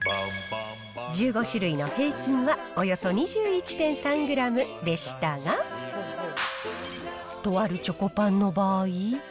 １５種類の平均はおよそ２１．３グラムでしたが、とあるチョコパンの場合。